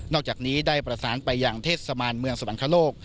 อกจากนี้ได้ประสานไปอย่างเทศบาลเมืองสวรรคโลก